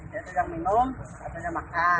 dia tidak minum katanya makan